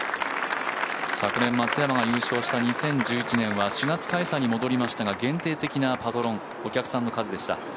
昨年、松山が優勝した２０１１年は４月開催に戻りましたが限定的なパトロン、お客さんの数でした。